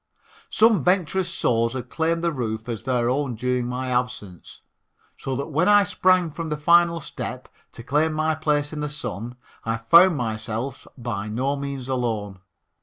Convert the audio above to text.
Some venturous souls had claimed the roof as their own during my absence so that when I sprang from the final step to claim my place in the sun I found myself by no means alone.